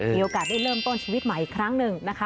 มีโอกาสได้เริ่มต้นชีวิตใหม่อีกครั้งหนึ่งนะคะ